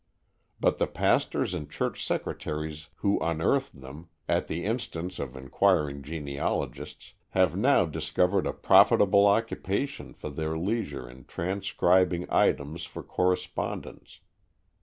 But the pastors and church secretaries who unearthed them, at the instance of inquiring genealogists, have now discovered a profitable occupation for their leisure in transcribing items for correspondents.